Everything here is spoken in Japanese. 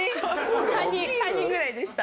３人３人ぐらいでした。